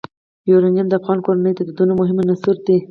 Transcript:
یورانیم د افغان کورنیو د دودونو مهم عنصر دی.